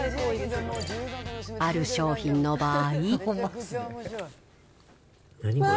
ある商品の場合。